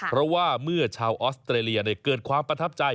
เพราะว่าเมื่อชาวออสเตรเลียเกิดความประทับใจ